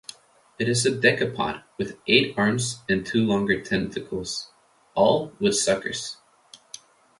It is a decapod, with eight arms and two longer tentacles, all with suckers.